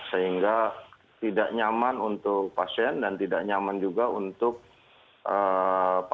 sehingga tidak nyaman untuk pasien dan tidak nyaman juga untuk pasien